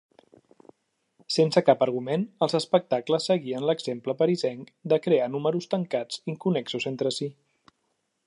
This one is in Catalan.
Sense cap argument, els espectacles seguien l'exemple parisenc de crear números tancats inconnexos entre si.